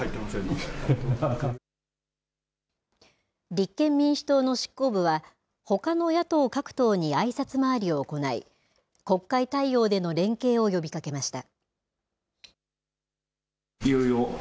立憲民主党の執行部は、ほかの野党各党にあいさつ回りを行い、国会対応での連携を呼びかけました。